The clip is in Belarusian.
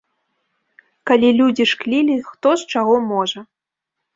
Калі людзі шклілі хто з чаго можа.